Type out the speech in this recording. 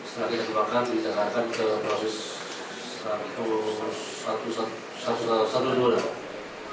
setelah kita kembangkan kita akan proses satu satulah